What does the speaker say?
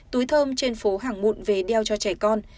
túi thơm trên phố hàng mụn về đeo cho trẻ con